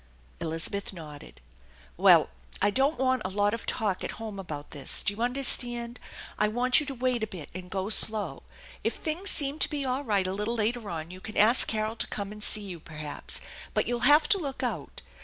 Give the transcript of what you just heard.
Elizabeth nodded. " Wll, I don't want a lot of talk at home about this. Do you understand ? I want you to wait a bit and go slow. If things seem to be aii right a little later on, you can ask Carol to come and bee you, perhaps; but you'll have to look out.